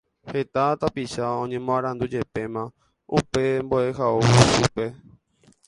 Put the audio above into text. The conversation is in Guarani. Heta tapicha oñemoarandujepéma upe mbo'ehaovusúpe